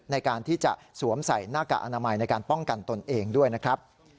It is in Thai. ในการที่จะสวมใส่หน้ากากอนามัยในการป้องกันตนเองด้วยนะครับ